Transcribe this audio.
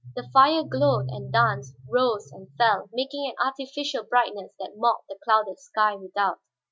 The fire glowed and danced, rose and fell, making an artificial brightness that mocked the clouded sky without.